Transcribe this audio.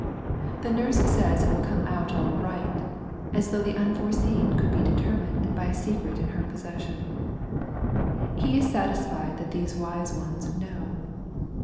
The nurse says it will come out all right, as though the Unforeseen could be determined by a secret in her possession. He is satisfied that these wise ones know.